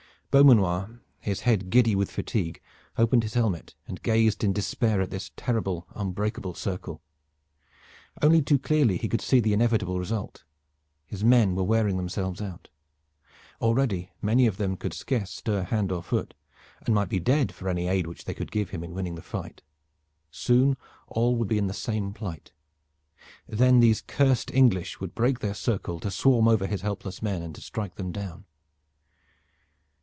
Beaumanoir, his head giddy with fatigue, opened his helmet and gazed in despair at this terrible, unbreakable circle. Only too clearly he could see the inevitable result. His men were wearing themselves out. Already many of them could scarce stir hand or foot, and might be dead for any aid which they could give him in winning the fight. Soon all would be in the same plight. Then these cursed English would break their circle to swarm over his helpless men and to strike them down.